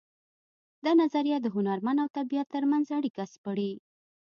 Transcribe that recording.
دا نظریه د هنرمن او طبیعت ترمنځ اړیکه سپړي